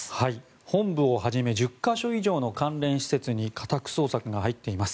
本部をはじめ１０か所以上の関連施設に家宅捜索が入っています。